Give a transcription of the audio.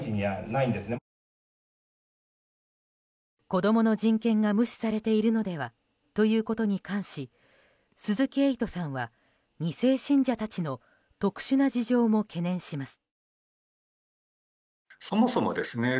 子供の人権が無視されているのではということに関し鈴木エイトさんは２世信者たちの特殊な事情も懸念します。